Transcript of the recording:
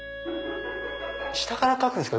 下から描くんですか？